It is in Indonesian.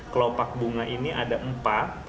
kelopak bunga ini ada empat